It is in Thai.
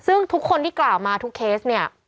ซึ่งทุกคนที่กล่าวมาทุกเคสเนี่ย